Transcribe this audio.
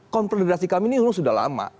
konfederasi kami ini sudah lama